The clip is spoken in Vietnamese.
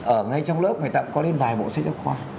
ở ngay trong lớp người ta có đến vài bộ sách học khoa